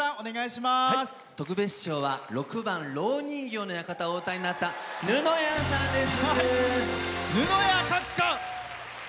特別賞は６番「蝋人形の館」をお歌いになった、ぬのやさんです。